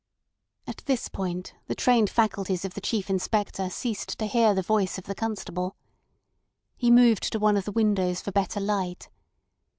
At this point the trained faculties of the Chief Inspector ceased to hear the voice of the constable. He moved to one of the windows for better light.